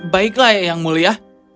baiklah yang mulia